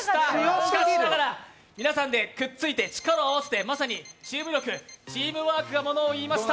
しかしながら、皆さんでくっついて力を合わせてまさにチーム力、チームワークがものを言いました。